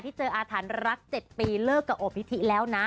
ที่เจออาธันรัฐ๗ปีเลิกกับอบพิธีแล้วนะ